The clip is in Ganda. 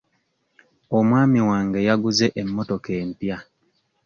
Omwami wange yaguze emmotoka empya.